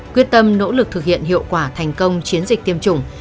quyết tâm nỗ lực thực hiện hiệu quả thành công chiến dịch tiêm chủng